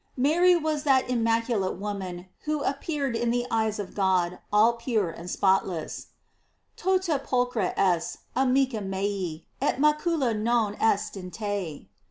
Mary was that immaculate woman who appear ed in the eyes of God all pure and spotless: "Tota pulchra es, arnica mea, et macula non est inte."